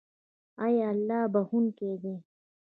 آیا الله بخښونکی دی؟